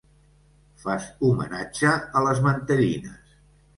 Fas homenatge a les mantellines.